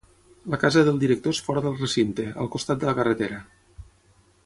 La casa del director és fora del recinte, al costat de la carretera.